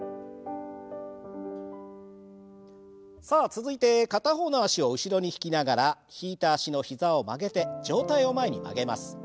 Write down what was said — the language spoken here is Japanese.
さあ続いて片方の脚を後ろに引きながら引いた脚の膝を曲げて上体を前に曲げます。